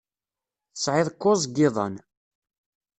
Tesɛid kuẓ n yiḍan.